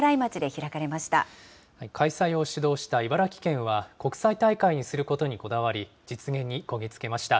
開催を主導した茨城県は、国際大会にすることにこだわり、実現にこぎ着けました。